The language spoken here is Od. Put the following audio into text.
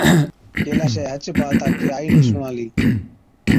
ڪيلاشَي هچ بات آپڪِي آئِي نُون سُڻالِي۔